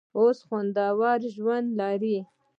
اوس خوندور ژوند لري.